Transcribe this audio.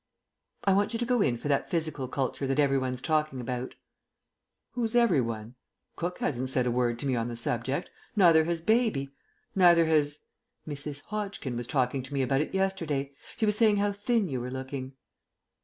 "I want you to go in for that physical culture that everyone's talking about." "Who's everyone? Cook hasn't said a word to me on the subject; neither has Baby; neither has " "Mrs. Hodgkin was talking to me about it yesterday. She was saying how thin you were looking."